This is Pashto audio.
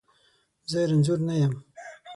زه رنځور نه یم.